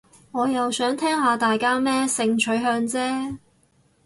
我又想聽下大家咩性取向啫